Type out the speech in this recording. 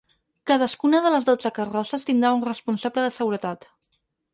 Cadascuna de les dotze carrosses tindrà un responsable de seguretat.